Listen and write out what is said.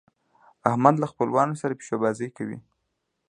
احمد له خپلوانو سره پيشو بازۍ کوي.